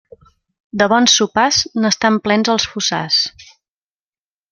De bons sopars, n'estan plens els fossars.